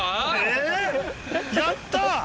⁉え⁉やった！